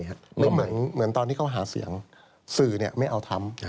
เหมือนตอนที่เขาหาเสียงสื่อไม่เอาทำ